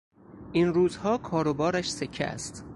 این روزها کار و بارش سکه است.